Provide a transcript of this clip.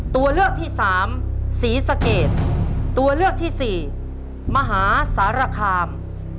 ตัวเลือกที่สามศรีสะเกดตัวเลือกที่สี่มหาสารคาม